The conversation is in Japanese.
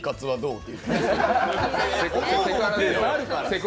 って。